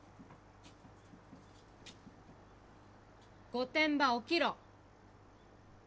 御殿場起きろ。